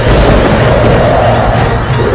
dan menghentikan raiber